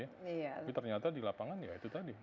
tapi ternyata di lapangan ya itu tadi